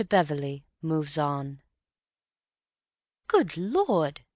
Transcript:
Beverley Moves On "Good Lord!"